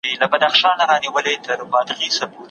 همت لوی کارونه ترسره کوي.